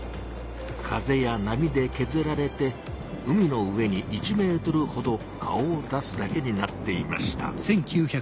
風や波でけずられて海の上に１ｍほど顔を出すだけになっていました。